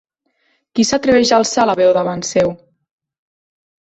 Qui s'atreveix a alçar la veu davant seu?